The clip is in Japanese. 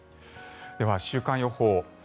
では、週間予報。